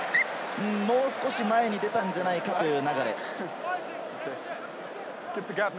もう少し前に出たんじゃないかという流です。